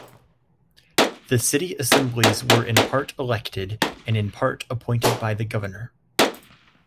The city assemblies were in part elected, and in part appointed by the governor.